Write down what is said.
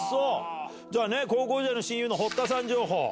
じゃあ高校時代の親友の堀田さん情報。